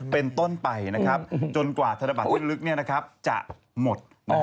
เป็นต้นไปจนกว่าธนบัตรที่ลึกจะหมด